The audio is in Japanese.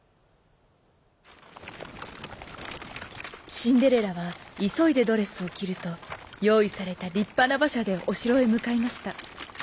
シンデレラはいそいでドレスをきるとよういされたりっぱなばしゃでおしろへむかいました。